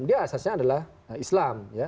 dia asasnya adalah islam